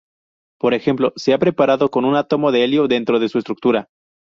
Por ejemplo, se ha preparado con un átomo de helio dentro de su estructura.